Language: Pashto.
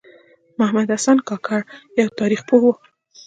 محمد حسن کاکړ یوه تاریخ پوه و .